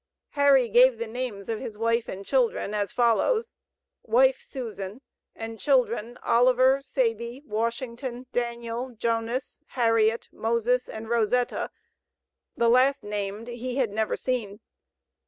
Harry gave the names of his wife and children as follows: Wife, Susan, and children, Oliver, Sabey, Washington, Daniel, Jonas, Harriet, Moses and Rosetta, the last named he had never seen.